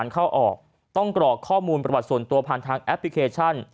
เข้าออกต้องกรอกข้อมูลประวัติส่วนตัวผ่านทางแอปพลิเคชัน